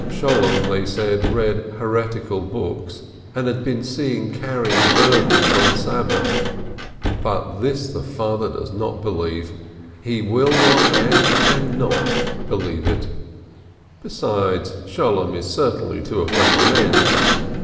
Sholem, they said, read heret ical books, and had been seen carrying "burdens" on Sabbath. But this the father does not believe, he will not and cannot believe it. Besides, Sholem is certain to have made amends.